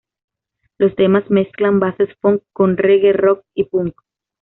Los temas mezclan bases funk con reggae, rock y punk.